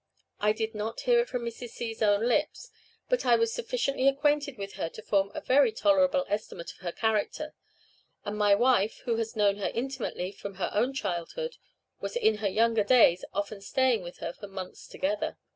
I did not hear it from Mrs. C 's own lips, but I was sufficiently acquainted with her to form a very tolerable estimate of her character; and my wife, who has known her intimately from her own childhood, was in her younger days often staying with her for months together."